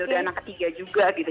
udah anak ketiga juga gitu